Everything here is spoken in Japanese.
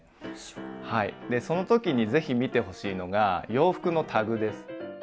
はいその時に是非見てほしいのが洋服のタグです。